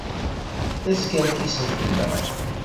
La skerkisen fell-aɣ.